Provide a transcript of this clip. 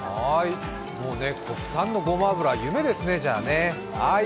もうね、国産のごま油は夢ですね。